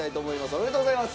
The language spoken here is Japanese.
おめでとうございます！